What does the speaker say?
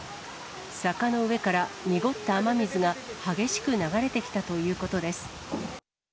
坂の上から濁った雨水が激しく流れてきたということです。